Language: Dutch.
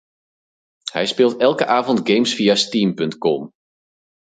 Hij speelt elke avond games via Steam.com.